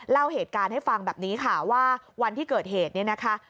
เล่าเหตุการณ์ให้ฟังแบบนี้ค่ะว่าวันที่เกิดเหตุเนี่ยนะคะ